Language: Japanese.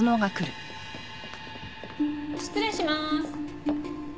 失礼しまーす。